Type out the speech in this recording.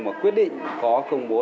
mà quyết định có công bố